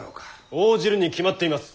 応じるに決まっています！